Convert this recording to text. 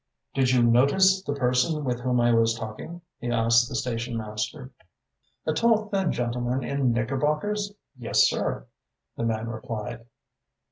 "Did you notice the person with whom I was talking?" he asked the station master. "A tall, thin gentleman in knickerbockers? Yes, sir," the man replied.